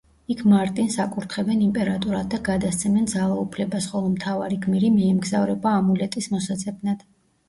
იქ მარტინს აკურთხებენ იმპერატორად და გადასცემენ ძალაუფლებას, ხოლო მთავარი გმირი მიემგზავრება ამულეტის მოსაძებნად.